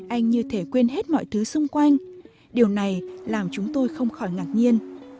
anh như thể quên hết mọi thứ xung quanh điều này làm chúng tôi không khỏi ngạc nhiên